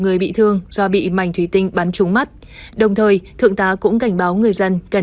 người bị thương do bị mảnh thủy tinh bắn trúng mắt đồng thời thượng tá cũng cảnh báo người dân cần